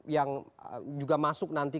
yang juga masuk nanti